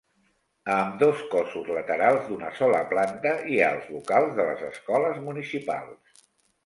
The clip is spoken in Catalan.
A ambdós cossos laterals, d'una sola planta, hi ha els locals de les Escoles Municipals.